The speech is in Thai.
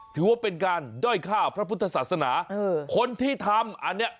ถือว่าเป็นการด้อยฆ่าพระพุทธศาสนาคนที่ทำอันเนี้ย